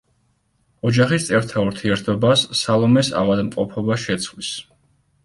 ოჯახის წევრთა ურთიერთობას სალომეს ავადმყოფობა შეცვლის.